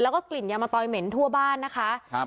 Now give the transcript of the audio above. แล้วก็กลิ่นยามะตอยเหม็นทั่วบ้านนะคะครับ